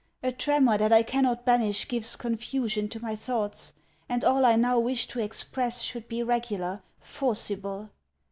A tremor that I cannot banish gives confusion to my thoughts, and all I now wish to express should be regular, forcible.